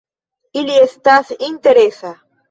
Ili estas interesa.